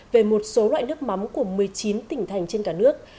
về một số loại nước mắm của một mươi chín tỉnh thành trên cả nước